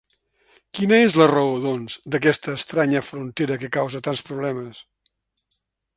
Quina és la raó, doncs, d’aquesta estranya frontera que causa tants problemes?